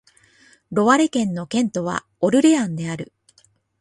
ロワレ県の県都はオルレアンである